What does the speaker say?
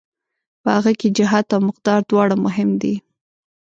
په هغه کې جهت او مقدار دواړه مهم دي.